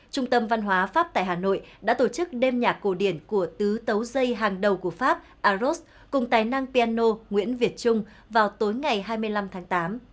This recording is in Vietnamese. trung tâm văn hóa pháp tại hà nội đã tổ chức đêm nhạc cổ điển của tứ tấu dây hàng đầu của pháp arost cùng tài năng piano nguyễn việt trung vào tối ngày hai mươi năm tháng tám